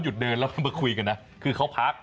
เดินแล้วก็มาคุยกันนะคือเขาพัก